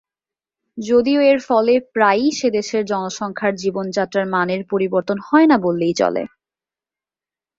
যদিও এর ফলে প্রায়ই সেদেশের জনসংখ্যার জীবনযাত্রার মানের পরিবর্তন হয়না বললেই চলে।